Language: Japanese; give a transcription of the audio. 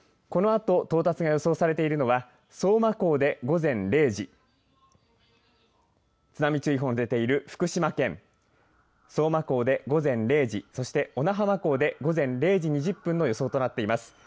このあと到達が予想されているのは相馬港で午前０時の津波注意報が出ている福島県相馬港で午前０時小名浜港で午前０時２０分の予想となっています。